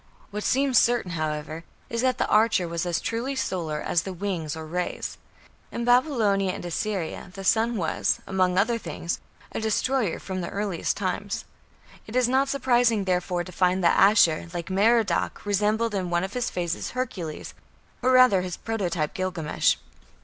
What seems certain, however, is that the archer was as truly solar as the "wings" or "rays". In Babylonia and Assyria the sun was, among other things, a destroyer from the earliest times. It is not surprising, therefore, to find that Ashur, like Merodach, resembled, in one of his phases, Hercules, or rather his prototype Gilgamesh.